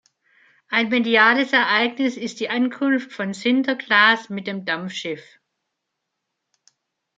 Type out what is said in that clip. Ein mediales Ereignis ist die Ankunft von Sinterklaas mit dem Dampfschiff.